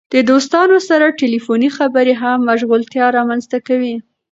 د دوستانو سره ټیلیفوني خبرې هم مشغولتیا رامنځته کوي.